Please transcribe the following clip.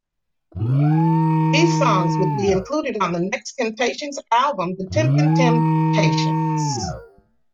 These songs would be included on the next Temptations album, "The Temptin' Temptations".